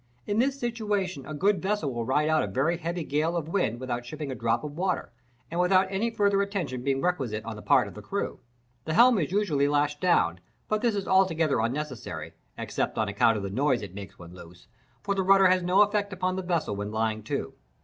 In this situation a good vessel will ride out a very heavy gale of wind without shipping a drop of water, and without any further attention being requisite on the part of the crew. The helm is usually lashed down, but this is altogether unnecessary (except on account of the noise it makes when loose), for the rudder has no effect upon the vessel when lying to.